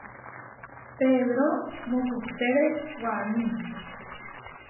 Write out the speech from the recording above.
Pedro mukuhtére waní.